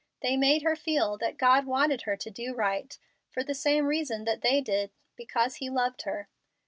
They made her feel that God wanted her to do right for the same reason that they did, because He loved her.